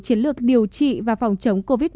chiến lược điều trị và phòng chống covid một mươi